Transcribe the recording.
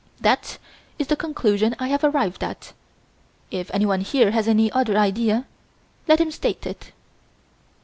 That is the conclusion I have arrived at. If anyone here has any other idea, let him state it."